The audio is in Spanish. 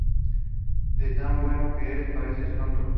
De tan bueno que eres, pareces tonto